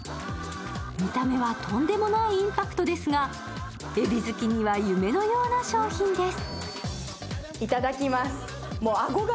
見た目はとんでもないインパクトですが、えび好きにはとんでもない商品です。